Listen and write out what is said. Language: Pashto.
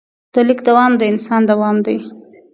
د لیک دوام د انسان دوام دی.